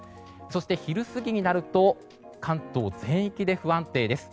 昼過ぎになると関東全域で不安定です。